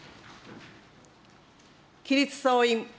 起立総員。